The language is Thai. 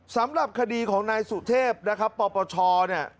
สำหรับคดีของนายสุเทพนะครับปปชเนี่ย